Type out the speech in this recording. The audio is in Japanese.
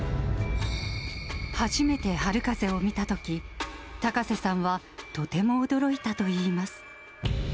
初めて春風を見たとき、高瀬さんはとても驚いたといいます。